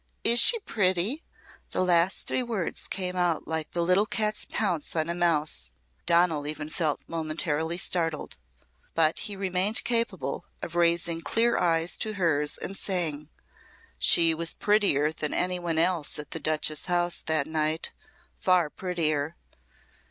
Is she pretty?" The last three words came out like the little cat's pounce on a mouse. Donal even felt momentarily startled. But he remained capable of raising clear eyes to hers and saying, "She was prettier than any one else at the Duchess' house that night. Far prettier."